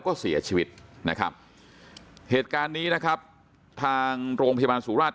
ก็เสียชีวิตนะครับเหตุการณ์นี้นะครับทางโรงพยาบาลสุราช